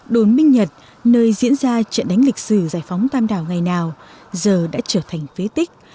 đồn minh nhật nơi diễn ra trận đánh lịch sử giải phóng tàm đảo ngày nào giờ đã trở thành phế tích